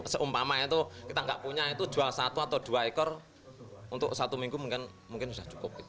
seumpamanya itu kita nggak punya itu jual satu atau dua ekor untuk satu minggu mungkin sudah cukup